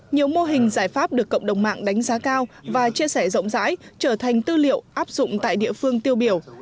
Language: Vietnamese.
nhiều mô hình giải pháp được cộng đồng mạng đánh giá cao và chia sẻ rộng rãi trở thành tư liệu áp dụng tại địa phương tiêu biểu